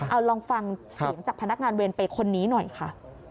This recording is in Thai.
เอาลองฟังเสียงจากพนักงานเวรเปย์คนนี้หน่อยค่ะ